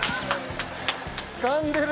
つかんでる。